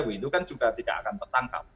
itu kan juga tidak akan tertangkap